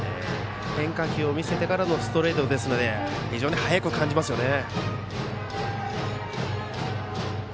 変化球を見せてからのストレートですので非常に速く感じますよね。